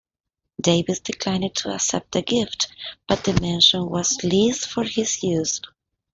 Davis declined to accept the gift, but the mansion was leased for his use.